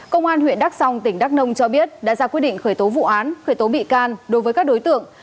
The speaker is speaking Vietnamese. công an huyện đắk song tỉnh đắk nông cho biết đã ra quyết định khởi tố vụ án khởi tố bị can đối với các đối tượng